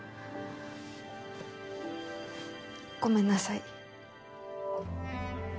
ごめんなさい。